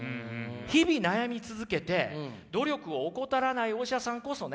日々悩み続けて努力を怠らないお医者さんこそね